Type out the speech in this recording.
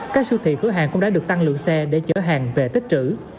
các siêu thị cửa hàng cũng đã được tăng lượng xe để chở hàng về tích trữ